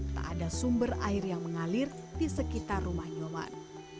tak ada sumber air yang mengalir di sekitar rumah nyoman